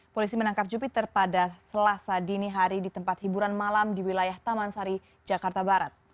polisi menangkap jupiter pada selasa dini hari di tempat hiburan malam di wilayah taman sari jakarta barat